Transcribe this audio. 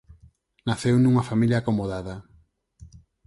Naceu nunha familia acomodada.